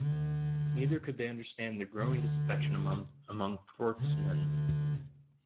Neither could they understand the growing disaffection among Thorpe's men.